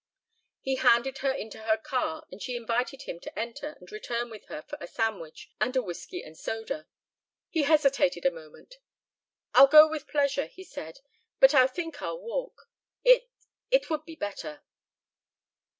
He handed her into her car and she invited him to enter and return with her for a sandwich and a whiskey and soda. He hesitated a moment. "I'll go with pleasure," he said. "But I think I'll walk. It it would be better."